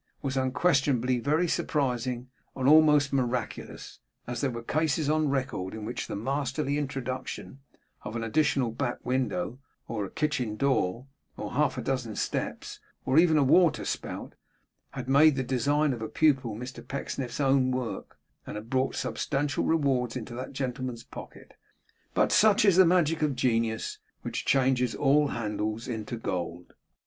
was unquestionably very surprising, and almost miraculous; as there were cases on record in which the masterly introduction of an additional back window, or a kitchen door, or half a dozen steps, or even a water spout, had made the design of a pupil Mr Pecksniff's own work, and had brought substantial rewards into that gentleman's pocket. But such is the magic of genius, which changes all it handles into gold!